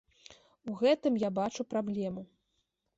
У гэтым я бачу праблему.